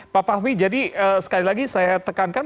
pak fahmi jadi sekali lagi saya tekankan